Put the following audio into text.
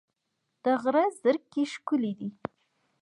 د غره زرکې ښکلې دي